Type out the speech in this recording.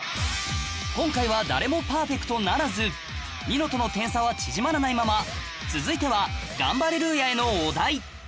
今回は誰もパーフェクトならずニノとの点差は縮まらないまま続いてはガンバレルーヤへのお題